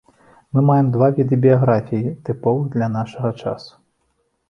Мы маем два віды біяграфій, тыповых для нашага часу.